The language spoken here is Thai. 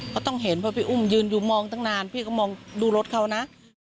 ก็ต้องเห็นเพราะพี่อุ้มยืนอยู่มองตั้งนานพี่ก็มองดูรถเขานะ